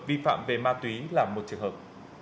vi phạm về ma túy là một trường hợp